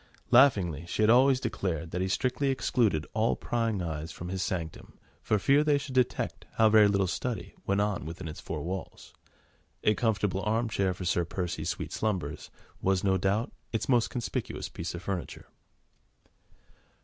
Laughingly she had always declared that he strictly excluded all prying eyes from his sanctum for fear they should detect how very little "study" went on within its four walls: a comfortable arm chair for Sir Percy's sweet slumbers was, no doubt, its most conspicuous piece of furniture.